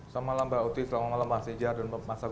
selamat malam mbak uti selamat malam mas ija dan mas abdu